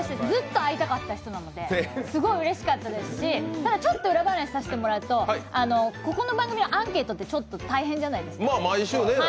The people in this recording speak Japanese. ずっと会いたかった人なのですごいうれしかったですしちょっと裏話させてもらうとここの番組のアンケートって大変じゃないですか。